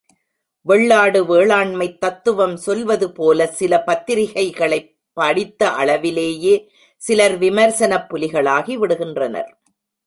வெள்ளாடு வேளாண்மைத் தத்துவம் சொல்வது போல, சில பத்திரிக்கைகளைப் படித்த அளவிலேயே சிலர் விமர்சனப் புலிகளாகிவிடு கின்றனர்.